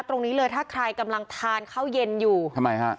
ตรงนี้เลยถ้าใครกำลังทานข้าวเย็นอยู่ทำไมฮะ